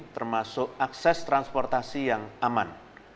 termasuk akses transportasi yang aman